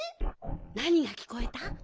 なにがきこえた？